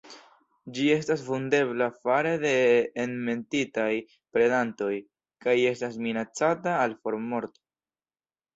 Ĝi estas vundebla fare de enmetitaj predantoj, kaj estas minacata al formorto.